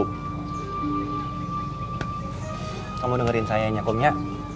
kamu dengerin sayanya kumnya